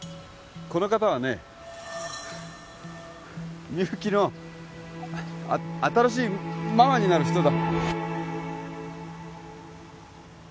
この方はねみゆきのあ新しいママになる人だ